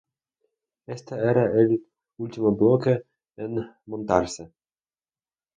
Este era el último bloque en montarse.